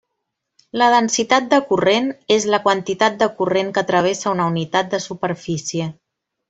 La densitat de corrent és la quantitat de corrent que travessa una unitat de superfície.